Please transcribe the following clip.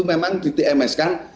memang di tms kan